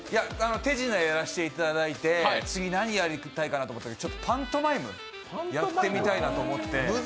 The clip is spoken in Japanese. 手品やらせていただいて次、何やりたいかなと思ったらちょっとパントマイムやってみたいなと思って。